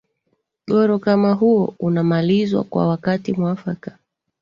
goro kama huo unamalizwa kwa wakati mwafaka